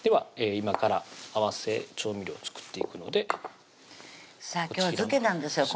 今から合わせ調味料作っていくのでさぁ今日は漬けなんですよ